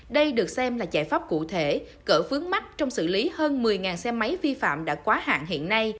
đây được xem là giải pháp cụ thể gỡ vướng mắt trong xử lý hơn một mươi xe máy vi phạm đã quá hạn hiện nay